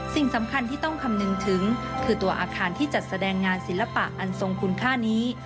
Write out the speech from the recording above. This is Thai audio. สิ่งสำคัญที่ต้องคำนึงถึงคือตัวอาคารที่จัดแสดงงานศิลปะอันทรงคุณค่านี้